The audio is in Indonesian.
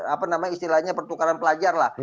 apa namanya istilahnya pertukaran pelajar lah